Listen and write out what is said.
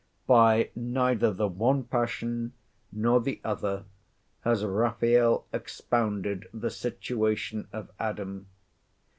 By neither the one passion nor the other has Raphael expounded the situation of Adam.